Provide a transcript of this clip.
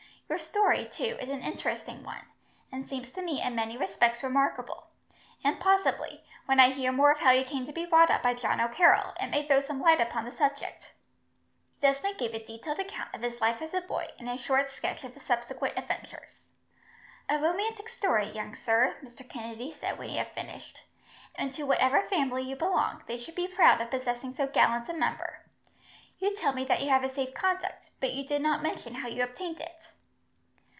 Your story, too, is an interesting one, and seems to me in many respects remarkable; and possibly, when I hear more of how you came to be brought up by John O'Carroll, it may throw some light upon the subject." Desmond gave a detailed account of his life as a boy, and a short sketch of his subsequent adventures. "A romantic story, young sir," Mr. Kennedy said, when he had finished, "and to whatever family you belong, they should be proud of possessing so gallant a member. You tell me that you have a safe conduct, but you did not mention how you obtained it."